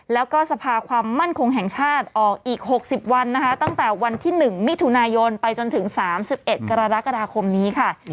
แล้วก็สภาความมั่นคงแห่งชาติออกอีกหกสิบวันนะคะตั้งแต่วันที่หนึ่งมิถุนายนไปจนถึงสามสิบเอ็ดกรดาคมนี้ค่ะ